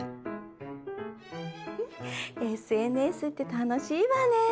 ＳＮＳって楽しいわね！